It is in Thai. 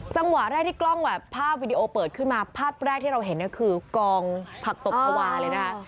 จังหวะแรกที่กล้องแบบภาพวิดีโอเปิดขึ้นมาภาพแรกที่เราเห็นเนี่ยคือกองผักตบชาวาเลยนะคะ